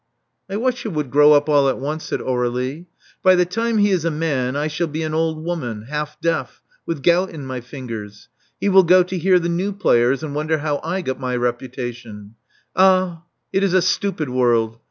I wish he would grow up all at once,'* said Aur61ie. '*By the time he is a man, I shall be an old woman, half deaf, with gout in my fingers. He will go to hear the new players, and wonder how I got my reputation. Ah, it is a stupid world!